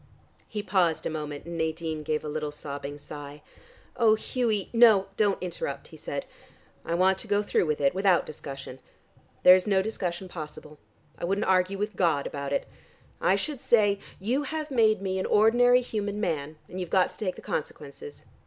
He paused a moment and Nadine gave a little sobbing sigh. "Oh, Hughie," she began. "No, don't interrupt," he said. "I want to go through with it, without discussion. There is no discussion possible. I wouldn't argue with God about it. I should say: 'You made me an ordinary human man, and you've got to take the consequences.